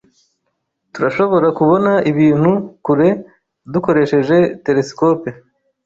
Turashobora kubona ibintu kure dukoresheje telesikope.